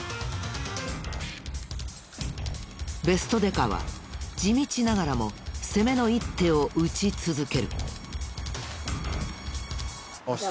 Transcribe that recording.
ベストデカは地道ながらも攻めの一手を打ち続ける。